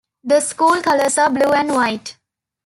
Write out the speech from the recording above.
The school colors are blue and white.